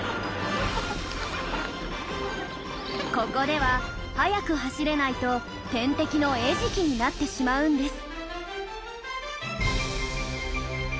ここでは速く走れないと天敵の餌食になってしまうんです。